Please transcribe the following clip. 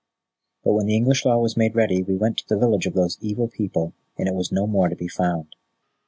"But when the English Law was made ready, we went to the village of those evil people, and it was no more to be found."